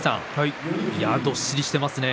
どっしりしていますね。